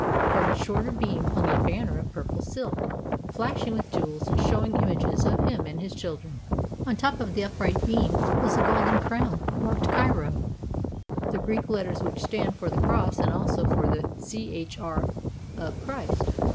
From its shorter beam hung a banner of purple silk, flashing with jewels and showing images of him and his children. On the top of the upright beam was a golden crown marked >^, the Greek letters which stand for the cross and also for the Ch r of "Christ."